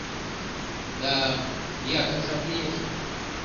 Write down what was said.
Да, ятыр жап лиеш.